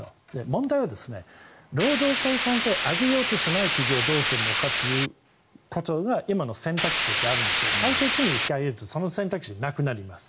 問題は労働生産性を上げようとしない企業をどうするかということが今の選択肢としてあるんですが最低賃金を引き上げるとその選択肢がなくなります。